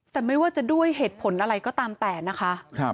แต่ไม่ว่าจะด้วยเหตุผลอะไรก็ตามแต่นะคะ